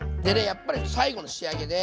やっぱり最後の仕上げで。